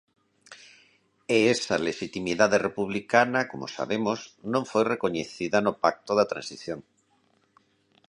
E esa lexitimidade republicana, como sabemos, non foi recoñecida no pacto da Transición.